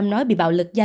tám nói bị bạo lực